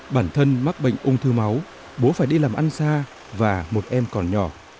bản thân mắc bệnh ung thư máu bố phải đi làm ăn xa và một em còn nhỏ